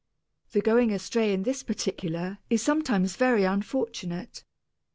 The going astray in this particular is sometimes very unfortunate.